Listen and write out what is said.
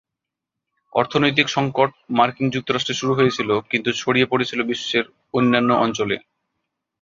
অর্থনৈতিক সঙ্কট মার্কিন যুক্তরাষ্ট্রে শুরু হয়েছিল কিন্তু ছড়িয়ে পড়েছিল বিশ্বের অন্যান্য অঞ্চলে।